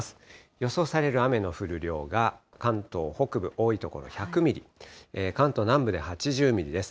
予想される雨の降る量が、関東北部、多い所１００ミリ、関東南部で８０ミリです。